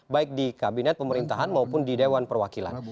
baik di kabinet pemerintahan maupun di dewan perwakilan